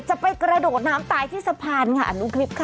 จะไปกระโดดน้ำตายที่สะพานค่ะดูคลิปค่ะ